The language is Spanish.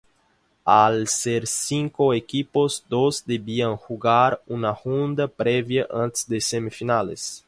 Al ser cinco equipos, dos debían jugar una ronda previa antes de semifinales.